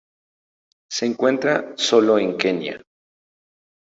Se encuentra sólo en Kenia.